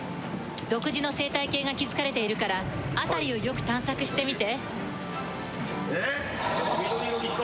独自の生態系が築かれているから辺りをよく探索してみて。